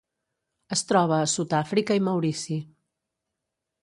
Es troba a Sud-àfrica i Maurici.